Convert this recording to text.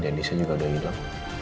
dennisnya juga udah hidup